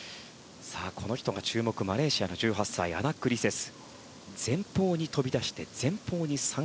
この人も注目マレーシアの１８歳アナックリセス。